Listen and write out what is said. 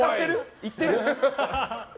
行ってる？